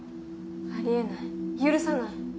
ありえない許さない。